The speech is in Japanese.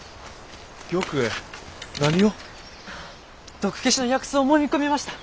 毒消しの薬草をもみ込みました！